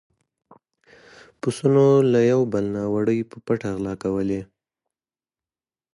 پسونو له يو بل نه وړۍ په پټه غلا کولې.